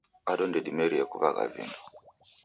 Bado ndedimerie kuw'agha vindo